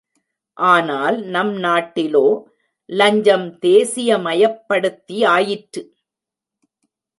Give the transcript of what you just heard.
ஆனால் நம் நாட்டிலோ லஞ்சம் தேசியமயப்படுத்தியாயிற்று.